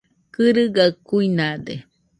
Kɨrɨgaɨ kuinade.